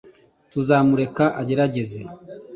tuzamureka agerageze